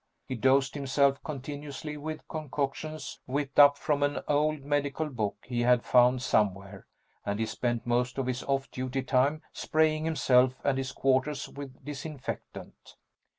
He dosed himself continuously with concoctions whipped up from an old medical book he had found somewhere, and he spent most of his off duty time spraying himself and his quarters with disinfectant.